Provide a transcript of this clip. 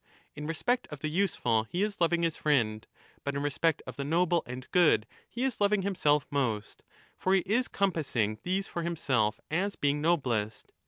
In respect of the useful he is loving his friend, but in respect of the noble and good he is loving himself most ; for he is compassing these for himself as being noblest.